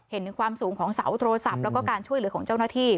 เห็นถึงความสูงของเสาโทรศัพท์แล้วก็การช่วยเหลือของเจ้าหน้าที่